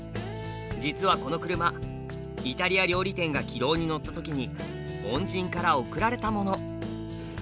実はこの車イタリア料理店が軌道に乗った時に恩人から贈られたもの。